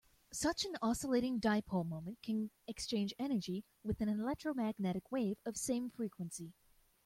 Such an oscillating dipole moment can exchange energy with an electromagnetic wave of same frequency.